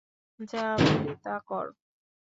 যা বলি তা কর?